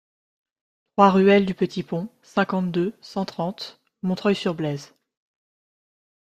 trois ruelle du Petit Pont, cinquante-deux, cent trente, Montreuil-sur-Blaise